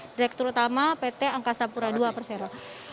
direktur utama pt angkasa pura ii persero